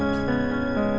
ini udah berakhir